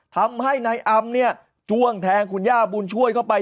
ทำให้นายอำเนี่ยจ้วงแทงคุณย่าบุญช่วยเข้าไป